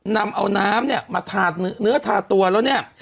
นำเอาน้ำเนี่ยมาทาเนื้อทาตัวแล้วเนี่ย